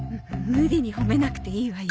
無理に褒めなくていいわよ。